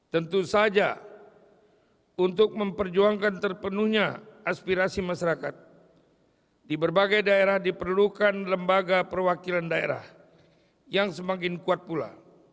tentu saja untuk memperjuangkan terpenuhnya aspirasi masyarakat di berbagai daerah diperlukan lembaga perwakilan daerah yang semakin kuat pula